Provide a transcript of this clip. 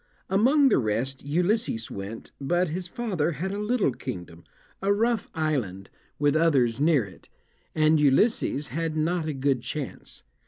Among the rest Ulysses went, but his father had a little kingdom, a rough island, with others near it, and Ulysses had not a good chance.